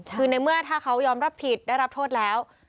คือในเมื่อถ้าเขายอมรับผิดได้รับโทษแล้ว